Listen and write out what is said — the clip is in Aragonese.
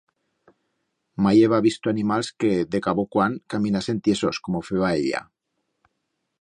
Mai heba visto animals que, de cabo cuan, caminasen tiesos, como feba ella.